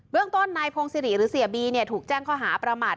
เรื่องต้นนายพงศิริหรือเสียบีถูกแจ้งข้อหาประมาท